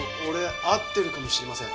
会ってるかもしれません。